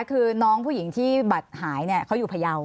คือน้องผู้หญิงที่บัตรหายเขาอยู่พยาว